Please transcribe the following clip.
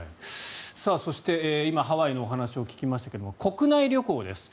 そして、今ハワイのお話を聞きましたけれども国内旅行です。